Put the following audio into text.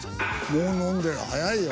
もう飲んでる早いよ。